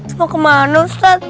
hah mau kemana ustadz